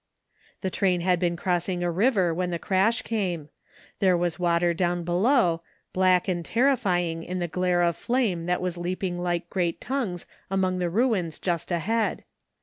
The train had been crossing a river when the crash came. There was water down below, black and terrify ing in the glare of flame that was leaping like great tongues among the ruins just ahead.